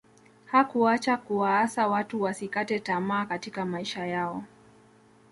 hakuacha kuwaasa watu wasikate tamaa katika maisha yao